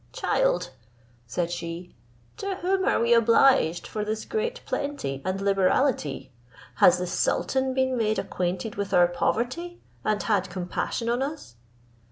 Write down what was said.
"Child," said she, "to whom are we obliged for this great plenty and liberality? Has the sultan been made acquainted with our poverty, and had compassion on us?"